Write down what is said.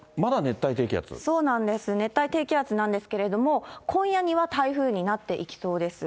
そうなんです、熱帯低気圧なんですけれども、今夜には台風になっていきそうです。